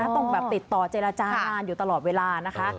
ต้องแบบติดต่อเจรจางานอยู่ตลอดเวลานะคะ